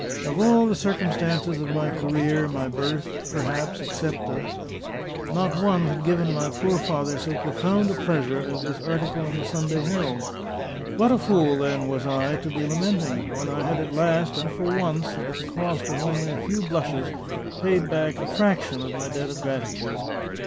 Of all the circumstances of my career, my birth, perhaps, excepted, not one had given my poor father so profound a pleasure as this article in the Sunday Herald. What a fool, then, was I, to be lamenting! when I had at last, and for once, and at the cost of only a few blushes, paid back a fraction of my debt of gratitude.